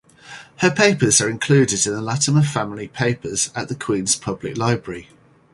Her papers are included in the Latimer Family Papers at the Queens Public Library.